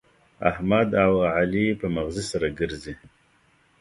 احمد او علي په مغزي سره ګرزي.